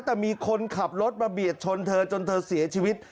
แต่มีคนขับรถมาเบียดชนเธอจนเธอเสียชีวิต